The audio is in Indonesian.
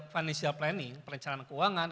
financial planning perencanaan keuangan